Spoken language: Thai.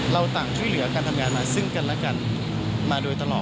เราต่างช่วยเหลือการทำงานมาซึ่งกันและกันมาโดยตลอด